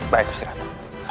baik gusti ratu